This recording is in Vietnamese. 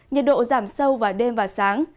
nhiệt độ giảm sâu vào đêm và sáng